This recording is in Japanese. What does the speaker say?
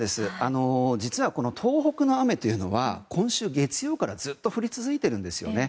実は東北の雨というのは今週月曜からずっと降り続いているんですよね。